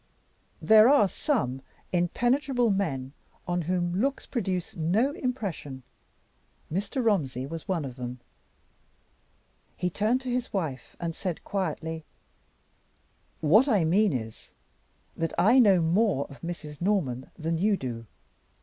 There are some impenetrable men on whom looks produce no impression. Mr. Romsey was one of them. He turned to his wife, and said, quietly: "What I mean is, that I know more of Mrs. Norman than you do.